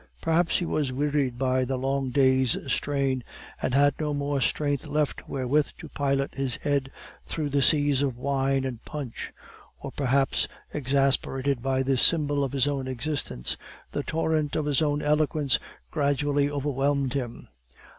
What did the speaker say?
Perhaps he was wearied by the long day's strain, and had no more strength left wherewith to pilot his head through the seas of wine and punch; or perhaps, exasperated by this symbol of his own existence, the torrent of his own eloquence gradually overwhelmed him.